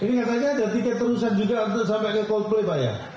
ini katanya ada tiket terusan juga sampai ke coldplay pak ya